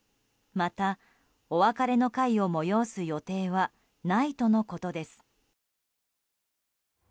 またお別れの会を催す予定はないとのことです。